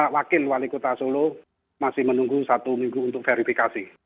wakil wali kota solo masih menunggu satu minggu untuk verifikasi